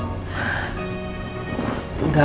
gak akan sanggup